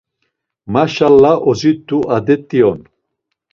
Maşalla ozit̆u adet̆i on.